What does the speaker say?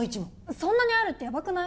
そんなにあるってヤバくない？